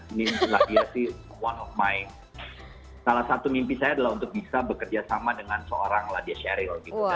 ini ladiah sih salah satu mimpi saya adalah untuk bisa bekerja sama dengan seorang ladiah sheryl gitu